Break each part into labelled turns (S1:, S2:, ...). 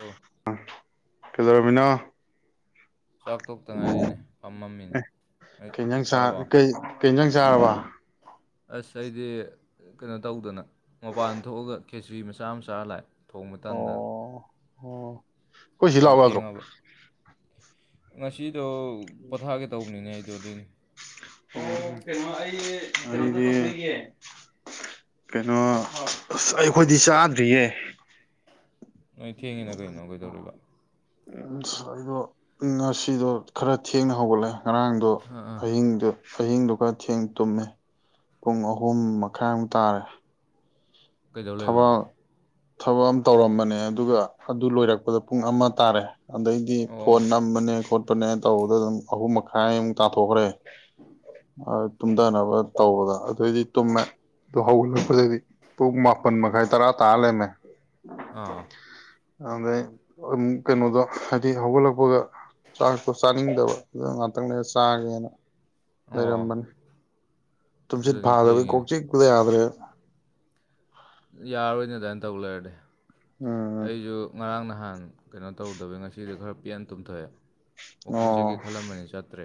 S1: ꯎ
S2: ꯀꯗꯧꯔꯝꯃꯤꯅꯣ
S1: ꯆꯥꯛ ꯇꯣꯛꯇ ꯉꯥꯏꯔꯤꯅꯦ ꯄꯥꯝꯃꯝꯃꯤꯅꯦ
S2: ꯑꯦ
S1: ꯍꯦꯛ
S2: ꯀꯩ ꯏꯟꯖꯥꯡ ꯆꯥ
S1: ꯆꯥꯔꯕꯥꯎ
S2: ꯀꯩ ꯀꯩ ꯖꯥꯟ ꯆꯥꯔꯕ
S1: ꯑꯁ ꯑꯩꯗꯤ ꯀꯩꯅꯣ ꯇꯧꯗꯅ ꯃꯄꯥꯟ ꯊꯣꯛꯑꯒ ꯈꯦꯆ꯭ꯔꯤ ꯃꯆꯥ ꯃꯆꯥ ꯂꯥꯛꯑꯦ ꯊꯣꯡ ꯃꯇꯝꯗ
S2: ꯑꯣ ꯑꯣ ꯑꯩꯈꯣꯏ ꯁꯤ ꯂꯥꯛꯎ
S1: ꯌꯥꯎꯍꯧ
S2: ꯌꯥꯗ꯭ꯔꯣ
S1: ꯊꯦꯡꯉꯕ ꯉꯁꯤꯗꯣ ꯄꯣꯊꯥꯒꯦ ꯇꯧꯕꯅꯤꯅꯦ ꯑꯩꯗꯣ ꯑꯗꯨꯏꯅꯦ
S2: ꯑꯣ ꯀꯩꯅꯣ
S1: ꯑꯗꯣ
S2: ꯑꯩꯅꯦ ꯀꯩꯅꯣ ꯑꯁ ꯑꯩꯈꯣꯏꯗꯤ ꯆꯥꯗ꯭ꯔꯤꯌꯦ
S1: ꯅꯣꯏ ꯊꯦꯡꯉꯤꯅ ꯀꯩꯅꯣ ꯀꯩꯗꯧꯔꯤꯕ
S2: ꯎꯝ ꯑ ꯑꯩꯗꯣ ꯉꯁꯤꯗꯣ ꯈꯔ ꯊꯦꯡꯅ ꯍꯧꯒꯠꯂꯦ ꯉꯔꯥꯡꯗꯣ
S1: ꯑꯥ ꯑꯥ
S2: ꯑꯍꯤꯡꯗ ꯑꯍꯤꯡꯗꯨꯒ ꯊꯦꯡ ꯇꯨꯝꯃꯦ ꯄꯨꯡ ꯑꯍꯨꯝ ꯃꯈꯥꯏꯃꯨꯛ ꯇꯥꯔꯦ
S1: ꯀꯩꯗꯧ ꯂꯩꯕ
S2: ꯊꯕꯛ ꯊꯕꯛ ꯑꯃ ꯇꯧꯔꯝꯕꯅꯦ ꯑꯗꯨꯒ ꯑꯗꯨ ꯂꯣꯏꯔꯛꯄꯗ ꯄꯨꯡ ꯑꯃ ꯇꯥꯔꯦ ꯑꯗꯩꯗꯤ
S1: ꯑꯣ
S2: ꯐꯣꯟ ꯅꯝꯕꯅꯦ ꯈꯣꯠꯄꯅꯦ ꯇꯧꯕꯗ ꯑꯗꯨꯝ ꯑꯍꯨꯝ ꯃꯈꯥꯏꯃꯨꯛ ꯇꯥꯊꯣꯛꯈ꯭ꯔꯦ ꯑ ꯇꯨꯝꯊꯅꯕ ꯇꯧꯕꯗ ꯑꯗꯨꯑꯣꯏꯗꯤ ꯇꯨꯝꯃꯦ ꯑꯗꯨ ꯍꯧꯒꯠꯂꯛꯄꯗꯩꯗꯤ ꯄꯨꯡ ꯃꯄ ꯃꯄꯟ ꯃꯈꯥꯏ ꯇꯔꯥ ꯇ ꯂꯩꯔꯝ ꯃꯦ
S1: ꯑꯥ
S2: ꯑꯗꯩ ꯀꯩꯅꯣꯗꯣ ꯍꯥꯏꯗꯤ ꯍꯧꯒꯠꯂꯛꯄꯒ ꯆꯥꯔꯛꯄ ꯆ ꯆꯥꯅꯤꯡꯗꯕ ꯑꯗꯨ ꯉꯥꯛꯇꯪꯅꯦ ꯆꯥꯒꯦꯅ
S1: ꯑꯣ
S2: ꯂꯩꯔꯝꯕꯅꯤ
S1: ꯑꯁ
S2: ꯇꯨꯝꯁꯤꯠ
S1: ꯑꯗꯨꯅꯤ
S2: ꯐꯥꯗꯕꯩ ꯀꯣꯛ
S1: ꯊꯦꯡꯉꯤꯅꯦ
S2: ꯆꯤꯄꯨꯗ ꯌꯥꯗ꯭ꯔꯦ
S1: ꯌꯥꯔꯣꯏꯅꯦ ꯑꯗꯨꯃꯥꯏꯅ ꯇꯧ ꯂꯩꯔꯗꯤ
S2: ꯎꯝ
S1: ꯑꯩꯁꯨ ꯉꯔꯥꯡ ꯅꯍꯥꯟ ꯀꯩꯅꯣ ꯇꯧꯗꯕ ꯉꯁꯤꯁꯨ ꯈꯔ ꯄꯦꯟꯟ ꯇꯨꯝꯊꯣꯛꯑꯦ ꯋꯥꯋꯥꯛꯀꯤꯡ ꯆꯠꯒꯦ
S2: ꯑꯣ
S1: ꯈꯜꯂꯝꯕꯅꯤ ꯆꯠꯇ꯭ꯔꯦ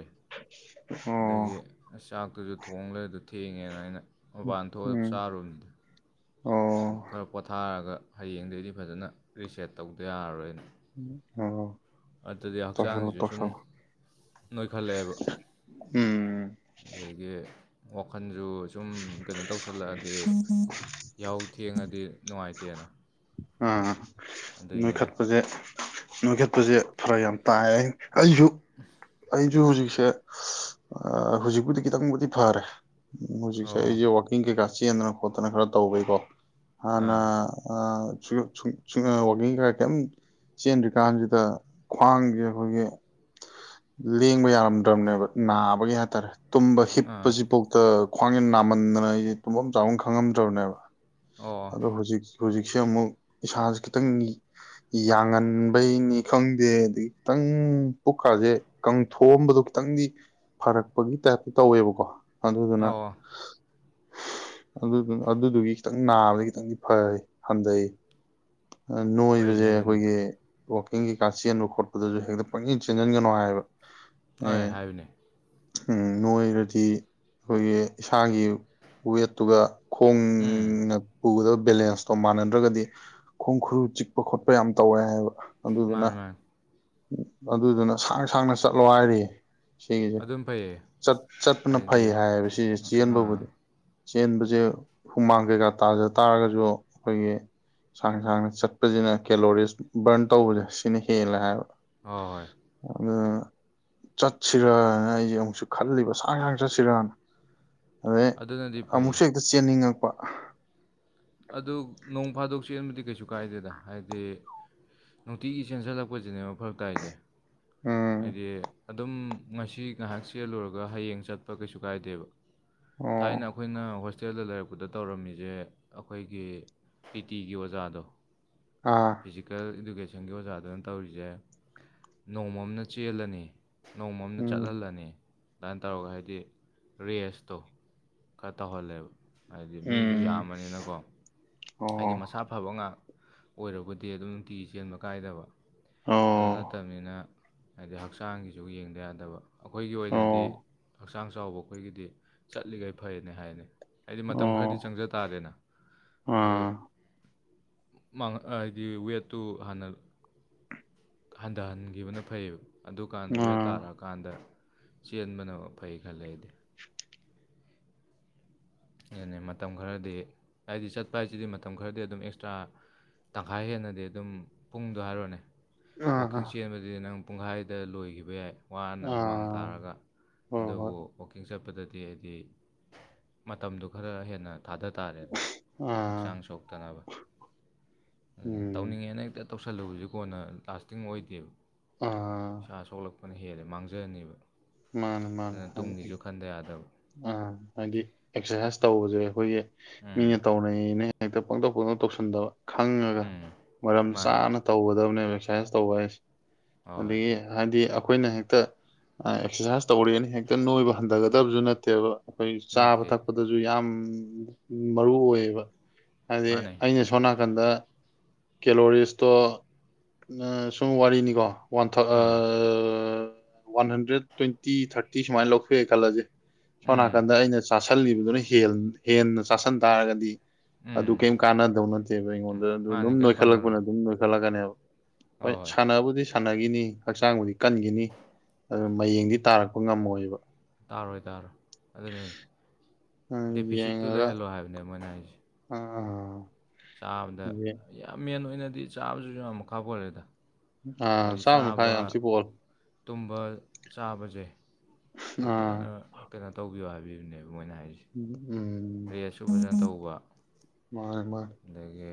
S2: ꯑꯣ
S1: ꯑꯗꯒꯤ ꯑꯁ ꯆꯥꯛꯇꯨꯁꯨ ꯊꯣꯡꯂꯦꯗ ꯊꯦꯡꯉꯦꯅ ꯑꯩꯅ ꯃꯄꯥꯟ ꯊꯣꯛꯑ
S2: ꯎꯝ
S1: ꯆꯥꯔꯨꯕꯅꯤꯗ
S2: ꯑꯣ
S1: ꯈꯔ ꯄꯣꯊꯥꯔꯒ ꯍꯌꯦꯡꯗꯗꯤ ꯐꯖꯅ ꯔꯤꯁꯦꯠ ꯇꯧꯗ ꯌꯥꯔꯔꯣꯏꯅꯦ
S2: ꯎ ꯇꯁꯂꯣ
S1: ꯍꯛꯆꯥꯡꯁꯤꯁꯨ ꯁꯨꯝ
S2: ꯇꯁꯜ
S1: ꯅꯣꯏꯈꯠꯂꯛꯑꯦꯕ
S2: ꯎꯝ
S1: ꯑꯗꯒꯤ ꯋꯥꯈꯜꯁꯨ ꯁꯨꯝ ꯀꯩꯅꯣ ꯇꯧꯁꯜꯂꯛꯑꯗꯤ ꯌꯥꯎꯧ ꯊꯦꯡꯉꯗꯤ ꯅꯨꯡꯉꯥꯏꯇꯦꯅ
S2: ꯑꯥ
S1: ꯑꯗꯨꯏꯅꯤꯗ
S2: ꯅꯣꯏꯈꯠꯄꯁꯦ ꯅꯣꯏꯈꯠꯄꯁꯦ ꯐꯔ ꯌꯥꯝ ꯇꯥꯏ ꯑꯩꯁꯨ
S1: ꯑ
S2: ꯑꯩꯁꯨ ꯍꯧꯖꯤꯛꯁꯦ ꯍꯧꯖꯤꯛꯄꯨꯗꯤ ꯈꯤꯇꯪꯕꯨꯗꯤ ꯐꯔꯦ ꯎꯝ ꯍꯧꯖꯤꯛꯁꯦ
S1: ꯑꯣ
S2: ꯑꯩꯁꯦ ꯋꯥꯋꯥꯛꯀꯤꯡ ꯀꯩꯀꯥ ꯆꯦꯟꯗꯅ ꯈꯣꯠꯇꯅ ꯈꯔ ꯇꯧꯕꯈꯩꯀꯣ ꯍꯅ
S1: ꯑꯥ
S2: ꯋꯥ ꯆꯦꯟꯗ꯭ꯔꯤꯀꯥꯟꯁꯤꯗ ꯈ꯭ꯋꯥꯡꯁꯦ ꯑꯩꯈꯣꯏꯒꯤ ꯂꯦꯡꯕ ꯌꯥꯔꯝꯗ ꯕ ꯅꯥꯕꯒꯤ ꯍꯥꯏꯇꯥꯔꯦ ꯇꯨꯝꯕ
S1: ꯑꯥ
S2: ꯍꯤꯞꯄꯁꯤꯐꯥꯎꯇ ꯈ꯭ꯋꯥꯡꯁꯟ ꯅꯥꯃꯟꯗꯅ ꯑꯩꯁꯦ ꯇꯨꯝꯐꯝꯐꯝ ꯆꯥꯎꯥꯐꯝ ꯈꯪꯉꯝꯗ꯭ꯔꯕꯅꯦꯕ
S1: ꯑꯣ
S2: ꯑꯗꯣ ꯍꯧꯖꯤꯛ ꯍꯧꯖꯤꯛꯁꯦ ꯑꯃꯨꯛ ꯏꯁꯥꯥꯁꯦ ꯈꯤꯇꯪ ꯌꯥꯡꯍꯟꯕꯩꯅꯤ ꯈꯪꯗꯦ ꯑꯗꯒꯤ ꯈꯤꯇꯪ ꯄꯨꯛꯈꯥꯁꯦ ꯀꯥꯡꯪꯊꯣꯛꯑꯝꯕꯗꯣ ꯈꯤꯇꯪꯗꯤ ꯐꯔꯛꯄꯒꯤ ꯇꯥꯏꯞꯇ ꯇꯧꯋꯦꯕꯀꯣ ꯑꯗꯨꯗꯨꯅ
S1: ꯑꯣ
S2: ꯑꯗꯨꯗꯨ ꯑꯗꯨꯗꯨꯒꯤ ꯈꯤꯇ ꯈꯤꯇꯪ ꯅꯥꯕꯗꯤ ꯈꯤꯇꯪꯗꯤ ꯐꯩ ꯍꯟꯊꯩ
S1: ꯐꯩꯅꯦ
S2: ꯅꯣꯏꯕꯁꯦ
S1: ꯑꯗꯨꯅꯦ
S2: ꯑꯩꯈꯣꯏꯒꯤ ꯋꯥꯋꯥꯛꯀꯤꯡꯒꯤ ꯀꯥ ꯆꯦꯟꯕ ꯈꯣꯠꯄꯗꯁꯨ ꯍꯦꯛꯇ ꯄꯪꯁꯤꯟ ꯆꯦꯟꯁꯤꯟꯒꯅꯨ ꯍꯥꯏꯕ
S1: ꯍꯣꯏ ꯍꯥꯏꯌꯨꯅꯦ
S2: ꯅꯣꯏꯔꯗꯤ ꯑꯩꯈꯣꯏꯒꯤ ꯏꯁꯥꯒꯤ ꯋꯦꯠꯇꯨꯒ
S1: ꯎꯝ
S2: ꯈꯣꯡꯅ ꯄꯨꯒꯗꯕ ꯕꯦꯂꯦꯟꯁꯇꯣ ꯃꯥꯟꯅꯗ꯭ꯔꯒꯗꯤ ꯈꯣꯡ ꯈꯨꯔꯨ ꯆꯤꯛꯄ ꯈꯣꯠꯄ ꯌꯥꯝ ꯇꯧꯋꯦ ꯍꯥꯏꯕ ꯑꯗꯨꯗꯨꯅ
S1: ꯃꯥꯅꯤ ꯃꯥꯅꯤ
S2: ꯑꯗꯨꯗꯨꯅ ꯁꯥꯡ ꯁꯥꯡꯅ ꯆꯠꯂꯣ ꯍꯥꯏꯔꯤ ꯁꯤꯒꯤꯁꯦꯠ
S1: ꯑꯗꯨꯝ ꯐꯩꯌꯦ
S2: ꯆꯠꯄꯅ ꯐꯩ
S1: ꯍꯥꯏꯗꯤ
S2: ꯍꯥꯏꯌꯦꯕ ꯁꯤꯁꯦ
S1: ꯑꯥ
S2: ꯆꯦꯟꯕꯕꯨꯗꯤ ꯆꯦꯟꯕꯁꯦ ꯍꯨꯃꯥꯡ ꯀꯩꯀꯥ ꯇꯥꯖ ꯇꯥꯔꯒꯁꯨ ꯑꯩꯈꯣꯏꯒꯤ ꯁꯥꯡ ꯁꯥꯡꯅ ꯆꯠꯄꯁꯤꯅ ꯀꯦꯂꯣꯔꯤꯁ ꯕꯔꯟ ꯇꯧꯕꯁꯦ ꯁꯤꯅ ꯍꯦꯜꯂꯦ ꯍꯥꯏꯕ
S1: ꯍꯣꯏ ꯍꯣꯏ
S2: ꯑ ꯆꯠꯁꯤꯔꯅ ꯑꯩꯁꯦ ꯑꯃꯨꯛꯁꯨ ꯈꯜꯂꯤꯕ ꯁꯥꯡ ꯁꯥꯡ ꯆꯠꯁꯤꯔꯅ ꯑꯗꯩ
S1: ꯑꯗꯨꯅꯗꯤ ꯐꯩꯌꯦ
S2: ꯑꯃꯨꯛꯁꯨ ꯍꯦꯛꯇ ꯆꯦꯟꯅꯤꯡꯉꯛꯄ
S1: ꯑꯗꯨ ꯅꯣꯡ ꯐꯥꯗꯣꯛ ꯆꯦꯟꯕꯗꯤ ꯀꯩꯁꯨ ꯀꯥꯏꯗꯦꯗ ꯍꯥꯏꯗꯤ ꯅꯨꯡꯇꯤꯒꯤ ꯆꯦꯟꯁꯤꯜꯂꯛꯄꯁꯤꯅꯦꯕ ꯐꯔꯛ ꯇꯥꯏꯁꯦ
S2: ꯎꯝ
S1: ꯍꯥꯏꯗꯤ ꯑꯗꯨꯝ ꯉꯁꯤ ꯉꯥꯏꯍꯥꯛ ꯆꯦꯜꯂꯨꯔꯒ ꯍꯌꯦꯡ ꯆꯠꯄ ꯀꯩꯁꯨ ꯀꯥꯏꯗꯦꯕ ꯊꯥꯏꯅ
S2: ꯑꯣ
S1: ꯑꯩꯈꯣꯏꯅ ꯍꯣꯁꯇꯦꯜꯗ ꯂꯩꯔꯛꯄꯗ ꯇꯧꯔꯝꯃꯤꯁꯦ ꯑꯩꯈꯣꯏꯒꯤ ꯇꯤ ꯇꯤꯒꯤ ꯑꯣꯖꯥꯗꯣ
S2: ꯑꯥ
S1: ꯐꯤꯖꯤꯀꯦꯜ ꯏꯗꯨꯀꯦꯁꯟꯒꯤ ꯑꯣꯖꯥꯗꯨꯅ ꯇꯧꯔꯤꯁꯦ ꯅꯣꯡꯃ ꯑꯃꯅ ꯆꯦꯜꯂꯅꯤ ꯅꯣꯡꯃ ꯑꯃꯗ
S2: ꯎꯝ
S1: ꯆꯠꯍꯜꯂꯅꯤ ꯑꯗꯨꯃꯥꯏꯅ ꯇꯧꯔꯒ ꯍꯥꯏꯗꯤ ꯔꯦꯁꯇꯣ ꯈꯔ ꯇꯧꯍꯜꯂꯦꯕ ꯍꯥꯏꯗꯤ ꯃꯤꯁꯨ
S2: ꯎꯝ
S1: ꯌꯥꯝꯕꯅꯤꯅꯀꯣ ꯍꯥꯏꯗꯤ
S2: ꯑꯣ
S1: ꯃꯁꯥ ꯐꯕ ꯉꯥꯛ ꯑꯣꯏꯔꯕꯗꯤ ꯑꯗꯨꯝ ꯅꯨꯡꯇꯤꯒꯤ ꯆꯦꯟꯕ ꯀꯥꯏꯗꯕ
S2: ꯑꯣ
S1: ꯑꯗꯨ ꯅꯠꯇꯕꯅꯤꯅ ꯍꯥꯏꯗꯤ ꯍꯛꯆꯥꯡꯒꯤꯁꯨ ꯌꯦꯡꯗ ꯌꯥꯗꯕ ꯑꯩꯈꯣꯏꯒꯤ ꯑꯣꯏꯅꯗꯤ
S2: ꯑꯣ
S1: ꯍꯛꯆꯥꯡ ꯆꯥꯎꯕ ꯑꯩꯈꯣꯏꯒꯤꯗꯤ ꯆꯠꯂꯤꯈꯩ ꯐꯩꯅꯦ ꯍꯥꯏꯅꯤ ꯍꯥꯏꯗꯤ ꯃꯇꯝ ꯈꯔꯗꯤ
S2: ꯑꯣ
S1: ꯆꯪꯖ ꯇꯥꯔꯦꯅ ꯑꯗꯣ
S2: ꯑꯥ
S1: ꯍꯥꯏꯗꯤ ꯋꯦꯠꯇꯨ ꯍꯥꯟꯅ ꯍꯟꯊꯍꯟꯈꯤꯕꯅ ꯐꯩꯌꯦꯕ ꯑꯗꯨꯀꯥꯟꯗ ꯋꯦꯠ
S2: ꯑꯥ
S1: ꯇꯥꯔꯛꯑꯀꯥꯟꯗ ꯆꯦꯟꯕꯅ ꯐꯩ ꯈꯜꯂꯗꯤ ꯑꯗꯨꯅꯦ ꯃꯇꯝ ꯈꯔꯗꯤ ꯍꯥꯏꯗꯤ ꯆꯠꯄ ꯍꯥꯏꯁꯤꯗꯤ ꯃꯇꯝ ꯈꯔꯗꯤ ꯑꯗꯨꯝ ꯑꯦꯛꯁꯇ꯭ꯔꯥ ꯇꯪꯈꯥꯏ ꯍꯦꯟꯅꯗꯤ ꯑꯗꯨꯝ ꯄꯨꯡꯗꯣ ꯍꯥꯏꯔꯣꯅꯦ
S2: ꯑꯥ
S1: ꯋꯥꯋꯥꯛꯀꯤꯡ ꯆꯦꯟꯕꯗꯤ ꯅꯪ ꯄꯨꯡꯈꯥꯏꯗ ꯂꯣꯏꯈꯤꯕ ꯌꯥꯏ ꯋꯥꯅ ꯍꯨꯃꯥꯡ
S2: ꯑꯥ
S1: ꯊꯥꯔꯒ
S2: ꯍꯣꯏ ꯍꯣꯏ
S1: ꯑꯗꯨꯕꯨ ꯋꯥꯛꯀꯤꯡ ꯆꯠꯄꯗꯗꯤ ꯍꯥꯏꯗꯤ ꯃꯇꯝꯗꯨ ꯈꯔ ꯍꯦꯟꯅ ꯊꯥꯗ ꯇꯥꯔꯦꯅ
S2: ꯑꯥ
S1: ꯍꯛꯆꯥꯡ ꯁꯣꯛꯇꯅꯕ ꯑꯗꯨꯅꯤ
S2: ꯎꯝ
S1: ꯇꯧꯅꯤꯡꯉꯦꯅ ꯍꯦꯛꯇ ꯇꯧꯁꯜꯂꯨꯕꯁꯤꯦ ꯀꯣꯟꯅ ꯂꯥꯁꯇꯤꯡ ꯑꯣꯏꯗꯦꯕ
S2: ꯑ
S1: ꯏꯁꯥ ꯁꯣꯛꯂꯛꯄꯅ ꯍꯦꯜꯂꯦ ꯃꯥꯡꯖꯅꯤꯕ
S2: ꯃꯥꯅꯦ ꯃꯥꯅꯦ
S1: ꯑꯗꯨꯅ ꯇꯨꯡꯒꯤꯁꯨ ꯈꯟꯗ ꯌꯥꯗꯕ
S2: ꯑꯥ ꯍꯥꯏꯗꯤ ꯑꯦꯛꯁꯔꯁꯥꯏꯁ ꯇꯧꯕꯁꯦ ꯑꯩꯈꯣꯏꯖꯦ
S1: ꯎꯝ
S2: ꯃꯤꯅ ꯇꯧꯅꯩꯅ ꯍꯦꯛꯇ ꯄꯪꯇꯧ ꯄꯪꯇꯧ ꯇꯧꯁꯟꯗꯕ ꯈꯪꯉꯒ
S1: ꯎꯝ
S2: ꯃꯔꯝ
S1: ꯃꯥꯅꯦ
S2: ꯆꯥꯅ ꯇꯧꯒꯗꯕꯅꯦ ꯑꯦꯛꯁꯔꯁꯥꯏꯁ ꯇꯧꯕ ꯍꯥꯏꯁꯦ
S1: ꯍꯣꯏ ꯍꯣꯏ
S2: ꯑꯗꯒꯤ ꯍꯥꯏꯗꯤ ꯑꯩꯈꯣꯏꯅ ꯍꯦꯛꯇ ꯑꯦꯛꯁꯔꯁꯥꯏꯁ ꯇꯧꯔꯦꯅ ꯍꯦꯛꯇ ꯅꯣꯏꯕ ꯍꯟꯊꯒꯗꯕꯁꯨ ꯅꯠꯇꯦꯕ ꯑꯩꯈꯣꯏ ꯆꯥꯕ
S1: ꯅꯠꯇꯦ
S2: ꯊꯛꯄꯗꯁꯨ ꯌꯥꯝ ꯃꯔꯨ ꯑꯣꯏꯌꯦꯕ ꯍꯥꯏꯗꯤ
S1: ꯃꯥꯅꯦ
S2: ꯑꯩꯅꯁꯨ ꯁꯣꯝ ꯅꯥꯀꯟꯗ ꯀꯦꯂꯣꯔꯤꯁꯇꯣ ꯁꯨꯝ ꯋꯥꯔꯤꯅꯤꯀꯣ one uh
S1: ah
S2: one hundred twenty thirty ꯁꯨꯃꯥꯏꯅ ꯂꯧꯊꯣꯛꯑꯦ ꯈꯜꯂꯁꯦ ꯁꯣꯝ
S1: ꯎꯝ
S2: ꯅꯥꯀꯟꯗ ꯑꯩꯅ ꯆꯥꯥꯁꯜꯂꯤꯕꯗꯨꯅ ꯍꯦꯟꯅ ꯆꯥꯁꯟ ꯇꯥꯔꯒꯗꯤ ꯑꯗꯨ
S1: ꯎꯝ
S2: ꯀꯩꯝ ꯀꯥꯟꯅꯗꯧ ꯅꯠꯇꯦꯕ ꯑꯩꯉꯣꯟꯗ ꯑꯗꯨ
S1: ꯃꯥꯅꯦ
S2: ꯑꯗꯨꯝ
S1: ꯀꯔꯤꯝ
S2: ꯅꯣꯏꯈꯠꯂꯛꯄꯅ
S1: ꯀꯥꯟꯅꯔꯣꯏ
S2: ꯑꯗꯨꯝ ꯅꯣꯏꯈꯠꯂꯛꯀꯅꯦꯕ ꯍꯣꯏ ꯁꯥꯟꯅꯕꯕꯨꯗꯤ ꯁꯥꯟꯅꯈꯤꯅꯤ ꯍꯛꯆꯥꯡꯕꯨꯗꯤ ꯀꯟꯈꯤꯅꯤ ꯑꯗꯨ ꯃꯌꯦꯡꯗꯤ ꯇꯥꯔꯛꯄ ꯉꯝꯃꯣꯏꯕ
S1: ꯇꯥꯔꯣꯏ ꯇꯥꯔꯣꯏ ꯑꯗꯨꯅꯦ
S2: ꯑꯥ
S1: ꯗꯦꯐꯤꯁꯤꯠꯇꯨ ꯂꯩꯍꯜꯂꯣ ꯍꯥꯏꯕꯅꯦ ꯃꯣꯏꯅ ꯍꯥꯢꯖꯦ
S2: ꯑ
S1: ꯆꯥꯕꯗ ꯌꯥꯝ ꯃꯦꯟ ꯑꯣꯏꯅꯗꯤ ꯆꯥꯕꯁꯨ ꯌꯥꯝ ꯃꯈꯥ ꯄꯣꯜꯂꯦꯗ
S2: ꯑꯥ
S1: ꯍꯥꯏꯗꯤ
S2: ꯆꯥꯝꯃ ꯃꯈꯥꯏ
S1: ꯆꯥꯕ
S2: ꯌꯥꯝ ꯊꯤ ꯄꯣꯜꯂꯦ
S1: ꯇꯨꯝꯕ ꯆꯥꯕꯁꯦ ꯁꯤ
S2: ꯑꯥ
S1: ꯐꯖꯅ ꯀꯩꯅꯣ ꯇꯧꯕꯤꯌꯣ ꯍꯥꯏꯕꯤꯕꯅꯦꯕ ꯃꯣꯏꯅ ꯍꯥꯏꯔꯤꯁꯦ
S2: ꯎꯝ
S1: ꯇꯨꯃꯤꯟꯅ ꯇꯧꯕ
S2: ꯃꯥꯅꯦ ꯃꯥ
S1: ꯑꯗꯒꯤ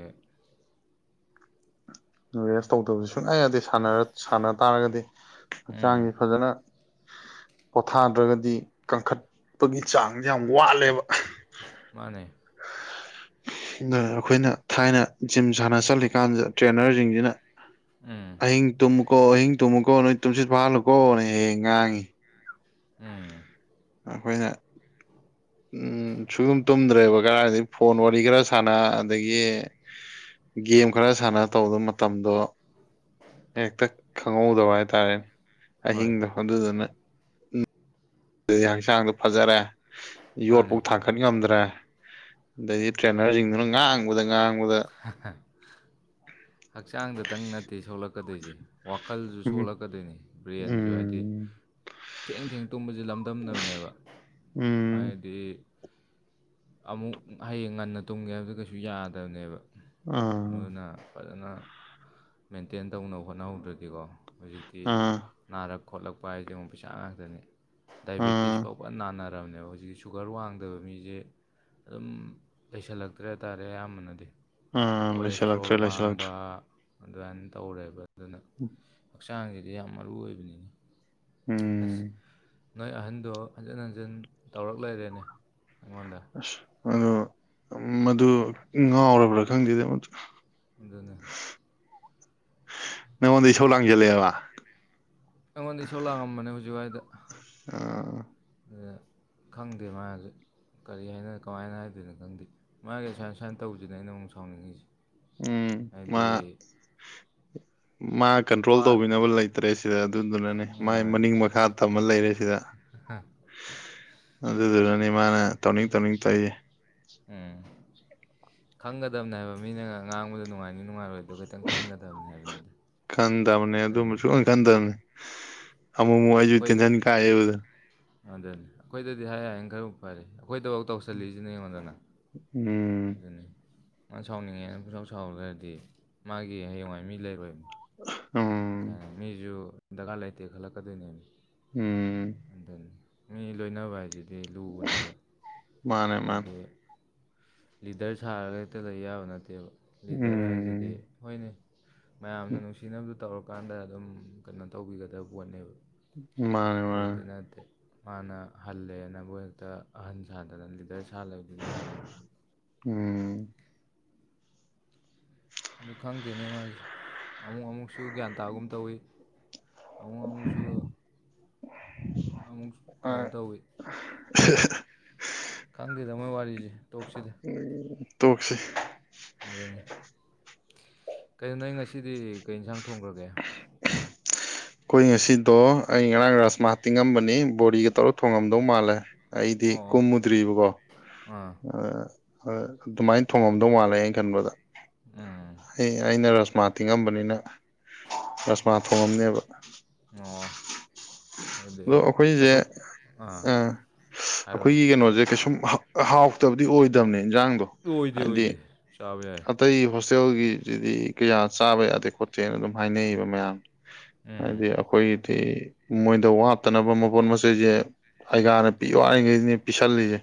S2: ꯔꯦꯁ ꯇꯧꯗꯕꯁꯨ ꯁꯨꯡꯌꯥ ꯌꯥꯗꯦ ꯁꯥꯟꯅꯔ ꯁꯥꯟꯅ ꯇꯥꯔꯒꯗꯤ
S1: ꯎꯝ
S2: ꯍꯛꯆꯥꯡꯁꯤ ꯐꯖꯅ ꯄꯣꯊꯥꯗ꯭ꯔꯒꯗꯤ ꯀꯟꯈꯠꯄꯒꯤ ꯆꯥꯡꯁꯦ ꯌꯥꯝ ꯋꯥꯠꯂꯦꯕ
S1: ꯃꯥꯅꯦ
S2: ꯑꯩꯈꯣꯏꯅ ꯊꯥꯏꯅ ꯖꯤꯝ ꯁꯥꯟꯅ ꯆꯠꯂꯤꯀꯥꯟꯁꯤꯗ ꯇ꯭ꯔꯦꯅꯔꯖꯤꯡꯖꯤꯅ
S1: ꯎꯝ
S2: ꯑꯍꯤꯡ ꯇꯨꯝꯃꯨꯀꯣ ꯑꯍꯤꯡ ꯇꯨꯝꯃꯨꯀꯣ ꯅꯣꯏ ꯇꯨꯝꯁꯤꯠ ꯐꯥꯍꯜꯂꯨꯀꯣꯅꯦ ꯍꯦꯛ ꯍꯦꯛ ꯉꯥꯡꯉꯤ
S1: ꯎꯝ
S2: ꯑꯩꯈꯣꯏꯅ ꯎꯝ ꯁꯨꯛ ꯇꯨꯝ ꯇꯨꯝꯗ꯭ꯔꯦꯕ ꯀꯔꯥꯏꯗꯒꯤ ꯐꯣꯟ ꯋꯥꯔꯤ ꯈꯔ ꯁꯥꯟꯅ ꯑꯗꯒꯤ ꯒꯦꯝ ꯈꯔ ꯁꯥꯟꯅ ꯇꯧꯕꯗ ꯃꯇꯝꯗꯣ ꯍꯦꯛꯇ ꯈꯪꯍꯧꯗꯕ ꯍꯥꯏꯇꯥꯔꯦꯅꯦ
S1: ꯍꯣꯏ
S2: ꯑꯍꯤꯡꯗꯣ ꯑꯗꯨꯗꯨꯅ ꯑꯗꯨꯗꯤ ꯍꯛꯆꯥꯡꯗꯣ ꯐꯖꯔꯦ ꯌꯣꯠ
S1: ꯃꯥꯅꯦ
S2: ꯐꯥꯎ ꯊꯥꯡ ꯀꯠ ꯉꯝꯗ꯭ꯔꯦ ꯑꯗꯩꯗꯤ ꯇ꯭ꯔꯦꯅꯔꯖꯤꯡꯗꯨꯅ ꯉꯥꯡ ꯉꯥꯡꯕꯗ ꯉꯥꯡꯕꯗ
S1: ꯍꯛꯆꯥꯡꯗꯨꯇꯪ ꯅꯠꯇꯦ ꯁꯣꯛꯂꯛꯀꯗꯣꯏꯁꯦ ꯋꯥꯈꯜꯁꯨ
S2: ꯎꯝ
S1: ꯁꯣꯛꯂꯛꯀꯗꯣꯏꯅꯤ ꯕ꯭ꯔꯦꯟꯁꯨ ꯍꯥꯏꯗꯤ
S2: ꯎꯝ
S1: ꯊꯦꯡ ꯊꯦꯡ ꯇꯨꯝꯕꯁꯦ ꯂꯝꯗꯝꯅꯕꯅꯦꯕ
S2: ꯎꯝ
S1: ꯍꯥꯏꯗꯤ ꯑꯃꯨꯛ ꯍꯌꯦꯡ ꯉꯟꯅ ꯇꯨꯝꯒꯦ ꯍꯥꯏꯕꯗ ꯀꯩꯁꯨ ꯌꯥꯗꯕꯅꯦꯕ
S2: ꯎꯝ
S1: ꯑꯗꯨꯅ ꯐꯖꯅ ꯃꯦꯟꯇꯦꯟ ꯇꯧꯅꯕ ꯍꯣꯠꯅꯍꯧꯗ꯭ꯔꯗꯤꯀꯣ ꯍꯧꯖꯤꯛꯇꯤ ꯅꯥꯔꯛ ꯈꯣꯠꯂꯛꯄ ꯍꯥꯏꯁꯦꯉꯣ ꯄꯩꯁꯥ ꯉꯥꯛꯇꯅꯤ ꯗꯥꯏꯕꯦꯇꯤꯁ ꯐꯥꯎꯕ ꯐꯖꯅ ꯅꯥꯟꯅꯔꯝꯕꯅꯦ ꯍꯧꯖꯤꯛꯀꯤ ꯁꯨꯒꯔ ꯋꯥꯡꯗꯕ ꯃꯤꯁꯦ ꯑꯗꯨꯝ ꯂꯩꯁꯜꯂꯛꯇ꯭ꯔꯦ ꯍꯥꯏꯇꯥꯥꯔꯦ ꯑꯌꯥꯝꯕꯅꯗꯤ ꯀꯣꯂꯦꯁꯇ꯭ꯔꯣꯜ
S2: ꯂꯩꯁꯜꯂꯛꯇ꯭ꯔꯦ
S1: ꯋꯥꯡꯕ
S2: ꯂꯩꯁꯜꯂꯛꯇ꯭ꯔꯦ
S1: ꯑꯗꯨꯃꯥꯏꯅ ꯇꯧꯔꯦꯕ ꯑꯗꯨꯅ ꯍꯛꯆꯥꯡꯁꯤꯗꯤ ꯌꯥꯝ ꯃꯔꯨ ꯑꯣꯏꯕꯅꯤꯅ ꯑꯁ
S2: ꯎꯝ
S1: ꯅꯣꯏ ꯑꯍꯟꯗꯣ ꯍꯟꯖꯤꯟ ꯍꯟꯖꯤꯟ ꯇꯧꯔꯛ ꯂꯩꯔꯦꯅꯦ ꯑꯩꯉꯣꯟꯗ
S2: ꯑꯁ ꯑꯗ ꯃꯗꯨ ꯉꯥꯎꯔꯕ꯭ꯔꯥ ꯈꯪꯗꯦꯗꯤ ꯑꯝ
S1: ꯑꯗꯨꯅꯦ
S2: ꯅꯉꯣꯟꯗ ꯏꯁꯧ ꯂꯥꯡꯖꯜꯂꯛꯑꯦꯕ
S1: ꯑꯩꯉꯣꯟꯗ ꯁꯣ ꯂꯥꯛꯑꯝꯕꯅꯦ ꯍꯧꯖꯤꯛꯋꯥꯏꯗ
S2: ꯑꯥ
S1: ꯑꯗꯨꯗ ꯈꯪꯗꯦ ꯃꯥꯁ ꯀꯔꯤ ꯍꯥꯏꯅ ꯀꯃꯥꯏꯅ ꯍꯥꯏꯗꯣꯏꯅꯣ ꯈꯪꯗꯦ ꯃꯥꯒꯤ ꯑꯁꯥꯏꯟ ꯁꯁꯥꯏꯟ ꯇꯧꯁꯤꯅ ꯑꯩꯅ ꯑꯃꯨꯛ ꯁꯥꯎꯅꯤꯡꯉꯤꯁꯦ
S2: ꯎꯝ ꯃꯥ
S1: ꯍꯥꯏꯗꯤ
S2: ꯃꯥ ꯀꯟꯇ꯭ꯔꯣꯜ
S1: ꯋꯥ
S2: ꯇꯧꯕꯤꯅꯕ ꯂꯩꯇ꯭ꯔꯦ ꯁꯤꯗ ꯑꯗꯨꯗꯨꯅꯅꯤ ꯃꯥꯏ
S1: ꯍꯣꯏ
S2: ꯃꯅꯤꯡ ꯃꯈꯥ ꯇ ꯑꯃ ꯂꯩꯔꯦ ꯁꯤꯗ ꯑꯗꯨꯗꯨꯅꯅꯤ ꯃꯥꯅ ꯇꯧꯅꯤꯡ ꯇꯧꯅꯤꯡ ꯇꯧꯏꯌꯦ
S1: ꯎꯝ ꯈꯪꯒꯗꯕꯅꯦ ꯍꯥꯏꯕ ꯃꯤꯅꯒ ꯉꯥꯡꯕꯗ ꯅꯨꯡꯉꯥꯏꯅꯤ ꯅꯨꯡꯉꯥꯏꯔꯣꯏꯗ ꯑꯗꯨ ꯈꯤꯇꯪ ꯈꯟꯒꯗꯕꯅꯤ ꯍꯥꯏꯕꯅꯤꯗ
S2: ꯈꯟꯗꯕꯅꯦ ꯑꯗꯨꯝꯕ
S1: ꯑꯗꯨꯅꯤ
S2: ꯁꯨꯡ ꯈꯟꯗꯕꯅꯦ ꯑꯃꯨꯛ ꯑꯃꯨꯛ ꯑꯩꯁꯨ ꯇꯦꯟꯁꯤꯟ ꯀꯥꯏꯑꯦꯕꯗ
S1: ꯑꯗꯨꯅꯦ ꯑꯩꯈꯣꯏꯗꯗꯤ ꯍꯥꯏ ꯍꯥꯏꯅ ꯈꯔ ꯐꯔꯦ ꯑꯩꯈꯣꯏꯗꯐꯥꯎ ꯇꯧꯁꯜꯂꯤꯁꯤꯅꯦ ꯌꯦꯡꯉꯣꯟꯗꯅ
S2: ꯎꯝ
S1: ꯑꯗꯨꯅꯤ ꯃꯥ ꯁꯥꯎꯅꯤꯡꯉꯦꯅ ꯄꯨꯔꯥꯎ ꯁꯥꯎꯔꯈ꯭ꯔꯗꯤ ꯃꯥꯒꯤ ꯍꯌꯦꯡꯋꯥꯏ ꯃꯤ ꯂꯩꯔꯣꯏꯕꯅꯤ
S2: ꯑ
S1: ꯀ ꯃꯤꯁꯨ ꯗꯔꯀꯥꯔ ꯂꯩꯇꯦ ꯈꯜꯂꯛꯀꯗꯣꯏꯅꯦ
S2: ꯎꯝ
S1: ꯑꯗꯨꯅꯤ ꯃꯤ ꯂꯣꯏꯅꯕ ꯍꯥꯏꯁꯤꯗꯤ ꯂꯨꯕꯅꯦꯕ
S2: ꯃꯥꯅꯦ ꯃꯥꯅꯦ
S1: ꯍꯥꯏꯗꯤ ꯂꯤꯗꯔ ꯁꯥꯔꯒ ꯍꯦꯛꯇ ꯂꯩ ꯌꯥꯕ ꯅꯠꯇꯦꯕ ꯂꯤꯗꯔ
S2: ꯎꯝ
S1: ꯍꯥꯏꯁꯤꯗꯤ ꯍꯣꯏꯅꯦ ꯃꯌꯥꯝꯅ ꯅꯨꯡꯁꯤꯅꯕꯗꯨ ꯇꯧꯔꯀꯥꯟꯗ ꯑꯗꯨꯝ ꯀꯩꯅꯣ ꯇꯧꯕꯤꯒꯗꯕ ꯄꯣꯠꯅꯦꯕ
S2: ꯃꯥꯅꯦ
S1: ꯑꯗꯨꯗꯤ
S2: ꯃꯥꯅꯦ
S1: ꯅꯠꯇꯦ ꯃꯥꯅ ꯍꯜꯂꯦꯅꯕꯨ ꯍꯦꯛꯇ ꯑꯍꯟ ꯁꯥꯗꯅ ꯂꯤꯗꯔ ꯁꯥ ꯂꯩꯕꯗꯨꯗꯤ ꯌꯥꯔꯣꯏꯕ
S2: ꯎꯝ
S1: [unintelligible] ꯑꯗꯨ ꯈꯪꯗꯦꯅꯦ ꯃꯥꯁꯦ ꯑꯃꯨꯛ ꯑꯃꯨꯛꯁꯨ ꯒ꯭ꯌꯥꯟ ꯇꯥꯒꯨꯝ ꯇꯧꯋꯤ ꯑꯃꯨꯛ ꯑꯃꯨꯛꯁꯨ ꯑꯃꯨꯛꯁꯨ ꯀꯩꯅꯣ ꯇꯧꯋꯤ
S2: ꯁ [unintelligible]
S1: ꯈꯪꯗꯦꯗ ꯃꯣꯏ ꯋꯥꯔꯤꯁꯦ ꯇꯣꯛꯁꯤꯗ
S2: ꯇꯣꯛꯁꯤ
S1: ꯑꯗꯨꯅꯤ ꯀꯩꯅꯣ ꯅꯪ ꯉꯁꯤꯗꯤ ꯀꯩ ꯏꯟꯁꯥꯡ ꯊꯣꯡꯈ꯭ꯔꯒꯦ
S2: [unintelligible] ꯑꯩꯈꯣꯏ ꯉꯁꯤꯗꯣ ꯑꯩ ꯉꯔꯥꯡ ꯔꯖꯃꯥ ꯇꯤꯡꯉꯝꯕꯅꯤ ꯕꯣꯔꯤꯒ ꯇꯧꯔ ꯊꯣꯡꯉꯝꯗꯧ ꯃꯥꯜꯂꯦ ꯑꯩꯗꯤ
S1: ꯑꯣ
S2: ꯀꯨꯝꯃꯨꯗ꯭ꯔꯤꯕꯀꯣ
S1: ꯑꯥ
S2: ꯑ ꯑꯗꯨꯃꯥꯏꯅ ꯊꯣꯡꯉꯝꯗꯧ ꯃꯥꯜꯂꯦ ꯑꯩꯅ ꯈꯟꯕꯗ
S1: ꯎꯝ
S2: ꯑꯩ ꯑꯩꯅ ꯔꯁꯃꯥ ꯇꯤꯡꯉꯝꯕꯅꯤꯅ ꯄ ꯊꯣꯡꯉꯝꯅꯦꯕ
S1: ꯑꯣ ꯑꯗꯨꯗꯤ
S2: ꯑꯗꯣ ꯑꯩꯈꯣꯏꯁꯦ
S1: ꯆꯠꯊꯣꯛ ꯑꯥ ꯍꯥꯏꯔꯣꯅꯦ
S2: ꯑꯩꯈꯣꯏꯒꯤ ꯀꯩꯅꯣꯁꯦ ꯀꯩꯁꯨꯝ ꯍꯥꯎꯇꯕꯗꯤ ꯑꯣꯏꯗꯕꯅꯦ ꯏꯟꯖꯥꯡ
S1: ꯑꯣꯏꯗꯦ ꯑꯣꯏꯗꯦ ꯆꯥꯕ ꯌꯥꯏ
S2: ꯑꯇꯩ ꯍꯣꯁꯇꯦꯜꯒꯤꯁꯤꯗꯤ ꯀꯌꯥ ꯆꯥꯕ ꯌꯥꯗꯦ ꯈꯣ ꯆꯦꯅ ꯑꯗꯨꯝ ꯍꯥꯏꯅꯩꯌꯦꯕ ꯃꯌꯥꯝ
S1: ꯎꯝ
S2: ꯍꯥꯏꯗꯤ ꯑꯩꯈꯣꯏ ꯑ ꯃꯣꯏꯗ ꯋꯥꯠꯇꯅꯕ ꯃꯄꯣꯠ ꯃꯆꯩꯁꯦ ꯑꯩꯒꯥꯅ ꯄꯤꯌꯨ ꯍꯥꯏ ꯁꯦ ꯄꯤꯁꯜꯂꯤꯁꯦ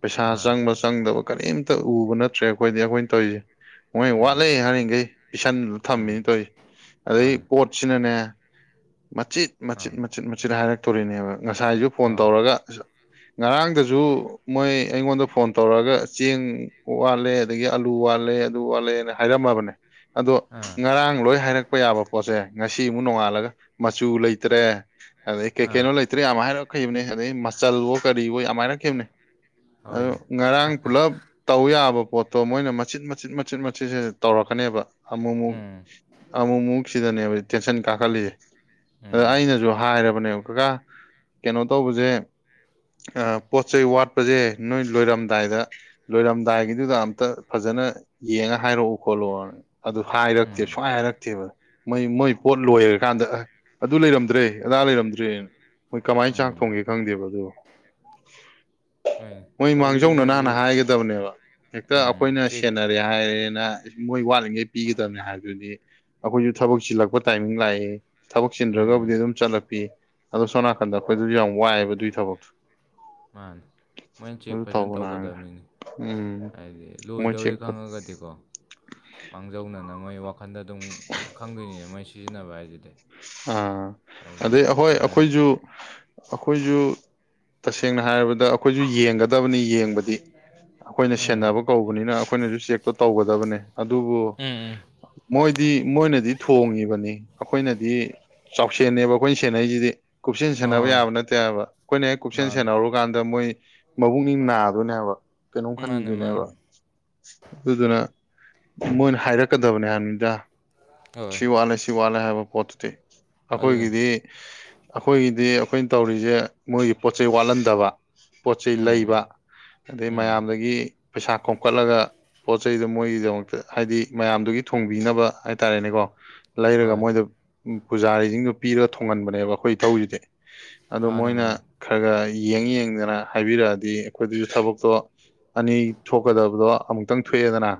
S2: ꯄꯩꯁ
S1: ꯃꯥ
S2: ꯆꯪꯕ ꯆꯪꯗꯕ ꯀꯔꯤꯝꯇ ꯎꯕ ꯅꯠꯇ꯭ꯔꯦ ꯑꯩꯈꯣꯏꯗꯤ ꯑꯩꯈꯣꯏꯅ ꯇꯧꯔꯤꯁꯦ ꯃꯣꯏ
S1: ꯎꯝ
S2: ꯋꯥꯠꯂꯦ ꯍꯥꯏꯔꯤꯈꯩ ꯄꯤꯁꯟꯂ
S1: ꯎꯝ
S2: ꯊꯝꯃꯤꯅꯦ ꯇꯧꯔꯤꯁꯦ ꯑꯗꯩ
S1: ꯍꯣꯏ
S2: ꯄꯣꯠ ꯁꯤꯅꯅꯦ ꯃꯆꯤꯠ
S1: ꯑꯥ
S2: ꯃꯆꯤꯠ ꯃꯆꯤꯠ ꯃꯆꯤꯠ ꯍꯥꯏꯔꯛꯇꯣꯔꯤꯅꯦꯕ ꯉꯁꯥꯏꯁꯨ ꯐꯣꯟ
S1: ꯍꯣꯏ
S2: ꯇꯧꯔꯒ ꯉꯔꯥꯡꯗꯁꯨ ꯃꯣꯏ ꯑꯩꯉꯣꯟꯗ ꯐꯣꯟ ꯇꯧꯔꯛꯑꯒ ꯆꯦꯡ ꯋꯥꯠꯂꯦ ꯑꯗꯒꯤ ꯑꯜꯂꯨ ꯋꯥꯠꯂꯦ ꯑꯗꯨ ꯋꯥꯠꯂꯦꯅ ꯍꯥꯏꯔꯝꯃꯕꯅꯦ ꯑꯗꯣ
S1: ꯑꯥ
S2: ꯉꯔꯥꯡ ꯂꯣꯏ ꯍꯥꯏꯔꯛꯄ ꯌꯥꯕ ꯄꯣꯠꯁꯦ ꯉꯁꯤ ꯑꯃꯨꯛ ꯅꯣꯡꯉꯥꯜꯂꯒ ꯃꯆꯨ ꯂꯩꯇ꯭ꯔꯦ ꯑꯗꯩ
S1: ꯑꯥ
S2: ꯀꯩꯀꯩꯅꯣ ꯂꯩꯇ꯭ꯔꯦ ꯌꯥꯝ ꯍꯥꯏꯔꯛꯈꯤꯕꯅꯦ ꯑꯗꯩ ꯃꯆꯜꯕꯣ ꯀꯔꯤꯕꯣ ꯌꯥꯝ ꯍꯥꯏꯔꯛꯈꯤꯕꯅꯦ ꯑꯗꯣ
S1: ꯍꯣꯏꯅꯦ
S2: ꯉꯔꯥꯡ ꯄꯨꯂꯞ ꯇꯧ ꯌꯥꯕ ꯄꯣꯠꯇꯣ ꯃꯣꯏꯅ ꯃꯆꯤꯠ ꯃꯆꯤꯠ ꯃꯆꯤꯠ ꯃꯆꯤꯠꯁꯤ ꯇꯧꯔꯛꯀꯅꯦꯕ ꯑꯃꯨꯛꯃꯨꯛ
S1: ꯎꯝ
S2: ꯑꯃꯨꯛꯃꯨꯛ ꯁꯤꯗꯅꯦꯕ ꯇꯦꯟꯁꯟ ꯀꯥꯈꯠꯂꯤꯁꯦ ꯑꯗ
S1: ꯎꯝ
S2: ꯑꯩꯅꯁꯨ ꯍꯥꯏꯔꯕꯅꯦꯕ ꯀꯀꯥ ꯀꯩꯅꯣ ꯇꯧꯕꯁꯦ ꯄꯣꯠ ꯆꯩꯩ ꯋꯥꯠꯄꯁꯦ ꯅꯣꯏ ꯂꯣꯏꯔꯝꯗꯥꯏꯗ ꯂꯣꯏꯔꯝꯗꯥꯏꯒꯤꯗꯨꯗ ꯑꯝꯇ ꯐꯖꯅ ꯌꯦꯡꯉ ꯍꯥꯏꯔꯛꯎ ꯈꯣꯠꯂꯣꯑꯣ ꯑꯗꯨ
S1: ꯎꯝ
S2: ꯍꯥꯏꯔꯛꯇꯦꯕ ꯁꯨꯍꯥꯏꯔꯛꯇꯦꯕ ꯃꯣꯏ ꯃꯣꯏ ꯄꯣꯠ ꯂꯣꯏꯔꯀꯥꯟꯗ ꯑꯗꯨ ꯂꯩꯔꯝꯗ꯭ꯔꯦ ꯑꯗꯥ ꯂꯩꯔꯝꯗ꯭ꯔꯦ ꯃꯣꯏ ꯀꯃꯥꯏꯅ ꯆꯥꯛ
S1: ꯎꯝ
S2: ꯊꯣꯡꯒꯦ ꯈꯪꯗꯦꯕ ꯑꯗꯨ
S1: ꯍꯣꯏꯅꯦ
S2: ꯃꯣꯏ
S1: ꯇꯧꯕꯗꯤ
S2: ꯃꯥꯡꯖꯧꯅꯅ
S1: ꯃꯣꯏꯁꯨ
S2: ꯍꯥꯟꯅ ꯍꯥꯏꯒꯗꯕꯅꯦꯕ ꯍꯦꯛꯇ ꯑꯩꯈꯣꯏꯅ
S1: ꯎꯝ ꯆꯦꯛ
S2: ꯁꯦꯟꯅꯔ ꯍꯥꯏꯔꯦꯅ ꯃꯣꯏ ꯋꯥꯠꯂꯤꯉꯩ ꯄꯤꯒꯗꯅꯦ ꯍꯥꯏꯕꯗꯨꯗꯤ ꯑꯩꯈꯣꯏꯁꯨ ꯊꯕꯛ ꯆꯤꯜꯂꯛꯄ ꯇꯥꯏꯃꯤꯡ ꯂꯥꯛꯑꯦ ꯊꯕꯛ
S1: ꯎꯝ
S2: ꯆꯤꯟꯗ꯭ꯔꯒꯕꯨꯗꯤ ꯑꯗꯨꯝ ꯆꯠꯂꯛꯄꯤ ꯑꯗꯣ ꯁꯣꯝ ꯅꯥꯀꯟꯗ ꯑꯩꯈꯣꯏꯗꯁꯨ ꯌꯥꯝ ꯋꯥꯏꯑꯦꯕ ꯑꯗꯨꯒꯤ ꯊꯕꯛꯇꯣ
S1: ꯃꯥꯅꯦ ꯃꯣꯏꯅ ꯆꯦꯛ
S2: ꯑꯗꯨ
S1: ꯐꯖꯅ
S2: ꯇꯧꯕꯅ
S1: ꯇꯧꯒꯗꯕꯅꯤꯅꯦ
S2: ꯎꯝ
S1: ꯍꯥꯏꯗꯤ
S2: ꯃꯣꯏ
S1: ꯂꯣꯏꯗꯧꯔꯦ
S2: ꯆꯦꯛ
S1: ꯈꯪꯉꯒꯗꯤꯀꯣ ꯃꯥꯡꯖꯧꯅꯅꯕ ꯃꯣꯏ ꯋꯥꯈꯟꯗ ꯑꯗꯨꯝ ꯈꯪꯗꯣꯏꯅꯤꯅꯦ ꯃꯣꯏ ꯁꯤꯖꯤꯟꯅꯕ ꯍꯥꯏꯗꯨꯗꯤ
S2: ꯑꯥ ꯑꯗꯩ ꯍꯣꯏ
S1: ꯗꯥꯟ
S2: ꯑꯩꯈꯣꯏꯁꯨ ꯑꯩꯈꯣꯏꯁꯨ ꯇꯁꯦꯡꯅ ꯍꯥꯏꯔꯕꯗ ꯑꯩꯈꯣꯏꯁꯨ ꯌꯦꯡꯒꯗ [unintelligible] ꯌꯦꯡꯕꯗꯤ ꯑꯩꯈꯣꯏꯅ
S1: ꯎꯝ
S2: ꯁꯦꯟꯅꯕ ꯀꯧꯕꯅꯤꯅ ꯑꯩꯈꯣꯏꯅꯁꯨ ꯆꯦꯛꯇꯣ ꯇꯧꯒꯗꯕꯅꯦ ꯑꯗꯨꯕꯨ
S1: ꯎꯝ ꯎꯝ
S2: ꯃꯣꯏꯗꯤ ꯃꯣꯏꯅꯗꯤ ꯊꯣꯡꯉꯤꯕꯅꯤ ꯑꯩꯈꯣꯏꯅꯗꯤ ꯆꯥꯎꯁꯦꯟꯅꯦꯕ ꯑꯩꯈꯣꯏꯅ ꯁꯦꯟꯅꯁꯤꯗꯤ ꯀꯨꯞꯁꯦꯟ ꯁꯦꯟꯅꯕ
S1: ꯍꯣꯏ
S2: ꯌꯥꯕ ꯅꯠꯇꯦ ꯍꯥꯏꯕ ꯑꯩꯈꯣꯏꯅ ꯍꯦꯛ ꯀꯨꯞꯁꯦꯟ
S1: ꯃꯥꯅꯤ
S2: ꯁꯦꯟꯅꯍꯧꯔꯨꯀꯥꯟꯗ ꯃꯣꯏ ꯃꯕꯨꯛꯅꯤꯡ ꯅꯥꯗꯣꯏꯅꯦꯕ ꯀꯩꯅꯣꯝ
S1: ꯃꯥꯅꯦ ꯃꯥꯅꯦ
S2: ꯈꯟꯈꯤꯗꯣꯏꯅꯦꯕ ꯑꯗꯨꯗꯨꯅ ꯃꯣꯏꯅ ꯍꯥꯏꯔꯛꯀꯗꯕꯅꯦ ꯍꯥꯏꯃꯤꯗ
S1: ꯍꯣꯏ
S2: ꯁꯤ ꯋꯥꯠꯂꯦ ꯁꯤ ꯋꯥꯠꯂꯦ ꯍꯥꯏꯕ ꯄꯣꯠꯇꯨꯗꯤ
S1: ꯑꯗꯨꯅꯤ
S2: ꯑꯩꯈꯣꯏꯒꯤꯗꯤ ꯑꯩꯈꯣꯏꯒꯤꯗꯤ ꯑꯩꯈꯣꯏꯅ ꯇꯧꯔꯤꯁꯦ ꯃꯣꯏꯒꯤ ꯄꯣꯠ ꯆꯩꯩ ꯋꯥꯠꯍꯟꯗꯕ ꯄꯣꯠ ꯆꯩꯩ
S1: ꯎꯝ
S2: ꯂꯩꯕ ꯑꯗꯩ
S1: ꯎꯝ
S2: ꯃꯌꯥꯝꯗꯒꯤ ꯄꯩꯁꯥ ꯈꯣꯝꯀꯠꯂꯒ ꯄꯣꯠ ꯆꯩꯗꯨ ꯃꯣꯏꯒꯤꯗꯃꯛꯇ ꯍꯥꯏꯗꯤ ꯃꯌꯥꯝꯗꯨꯒꯤ ꯊꯣꯡꯕꯤꯅꯕ ꯍꯥꯏꯇꯥꯔꯦꯅꯦꯀꯣ ꯂꯩꯔꯒ
S1: ꯍꯣꯏ
S2: ꯃꯣꯏꯗ ꯄꯨꯖꯥꯔꯤꯁꯤꯡꯗꯨ ꯄꯤꯔꯒ ꯊꯣꯡꯍꯟꯕꯅꯦꯕ ꯑꯩꯈꯣꯏꯊꯧ ꯁꯤꯗꯤ ꯑꯗꯣ
S1: ꯃꯥꯅꯦ
S2: ꯃꯣꯏꯅ
S1: ꯃꯥꯅꯦ
S2: ꯈꯔ ꯈ ꯌꯦꯡ ꯌꯦꯡꯗꯅ ꯍꯥꯏꯕꯤꯔꯛꯑꯗꯤ ꯑꯩꯈꯣꯏꯗꯁꯨ ꯊꯕꯛꯇꯣ ꯑꯅꯤ ꯊꯣꯛꯀꯗꯕꯗꯣ ꯑꯃꯨꯛꯇꯪ ꯊꯣꯛꯑꯦꯗꯅ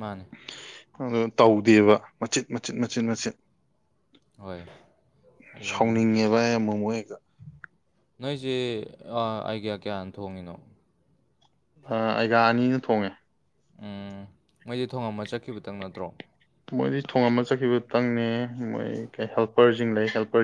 S1: ꯃꯥꯅꯦ
S2: ꯑꯗꯣ ꯇꯧꯗꯦꯕ ꯃꯆꯤꯠ ꯃꯆꯤꯠ ꯃꯆꯤꯠ ꯃꯆꯤꯠ
S1: ꯍꯣꯏ ꯑꯗꯨꯅꯤ
S2: ꯁꯥꯎꯅꯤꯡꯉꯦꯕ ꯑꯃꯨꯛ ꯃꯨꯛ ꯍꯦꯛꯇ
S1: ꯅꯣꯏꯁꯦ ꯑꯥꯏꯒꯌꯥ ꯀꯌꯥꯅ ꯊꯣꯡꯉꯤꯅꯣ
S2: ꯑꯩꯒꯥ ꯑꯅꯤꯅ ꯊꯣꯡꯉꯦ
S1: ꯎꯝ ꯃꯩꯗꯤ ꯊꯣꯡꯉꯝꯃ ꯆꯠꯈꯤꯕꯇꯪ ꯅꯠꯇ꯭ꯔꯣ
S2: ꯃꯣꯏꯗꯤ ꯊꯣꯡ ꯑꯃ ꯆꯠꯈꯤꯕꯗꯨꯇꯪꯅꯦ ꯃꯣꯏ ꯍꯦꯜꯄꯔꯁꯤꯡ ꯂꯩ ꯍꯦꯜꯄꯔ